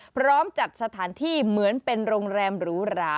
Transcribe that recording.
พร้อมจัดสถานที่เหมือนเป็นโรงแรมหรูหรา